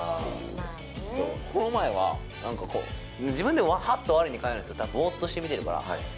この前は、なんかこう、自分でもはっとわれにかえるんですよ、たぶん、ぼーっとして見てるから。